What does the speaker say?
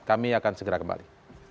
kami akan segera kembali